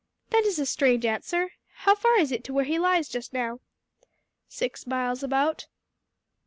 "That is a strange answer. How far is it to where he lies just now?" "Six miles, about."